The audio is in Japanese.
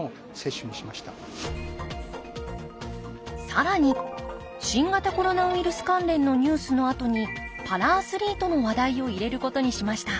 更に新型コロナウイルス関連のニュースのあとにパラアスリートの話題を入れることにしました